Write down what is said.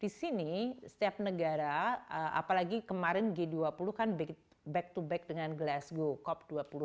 di sini setiap negara apalagi kemarin g dua puluh kan back to back dengan glasgow cop dua puluh dua